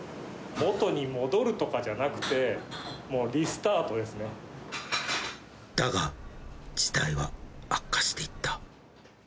元に戻るとかじゃなくて、もうリだが、事態は悪化していった。